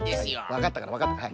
わかったからわかったはい。